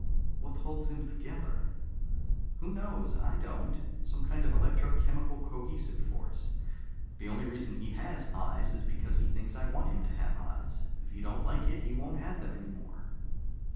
"What holds him together?" "Who knows? I don't. Some kind of electro chemical cohesive force. The only reason he has 'eyes' is because he thinks I want him to have eyes. If you don't like it, he won't have them any more."